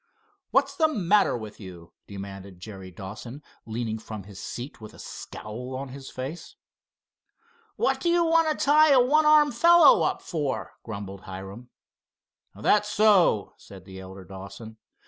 "What's the matter with you?" demanded Jerry Dawson, leaning from his seat with a scowl on his face. "What do you want to tie a one armed fellow up for?" grumbled Hiram. "That's so," said the elder Dawson.